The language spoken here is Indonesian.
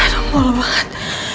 aduh mau lemah banget